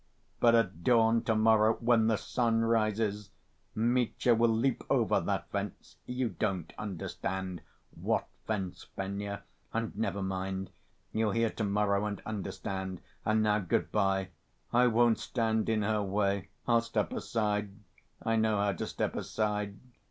But at dawn to‐morrow, when the sun rises, Mitya will leap over that fence.... You don't understand what fence, Fenya, and, never mind.... You'll hear to‐morrow and understand ... and now, good‐by. I won't stand in her way. I'll step aside, I know how to step aside.